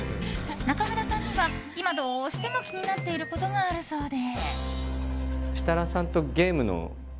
中村さんには今、どうしても気になっていることがあるそうで。